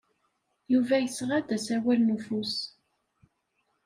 Yuba yesɣa-d asawal n ufus.